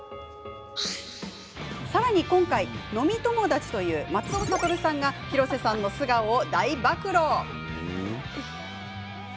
さらに今回飲み友達という松尾諭さんが広瀬さんの素顔を大暴露。